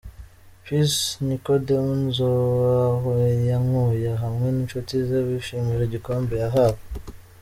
Peace Nicodem Nzahoyankuye hamwe n'inshuti ze bishimira igikombe yahawe.